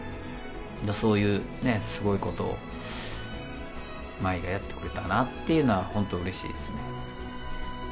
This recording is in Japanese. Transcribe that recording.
そういうすごいことを、茉愛がやってくれたなっていうのは、本当、うれしいですね。